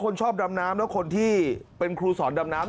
คนชอบดำน้ำแล้วคนที่เป็นครูสอนดำน้ำ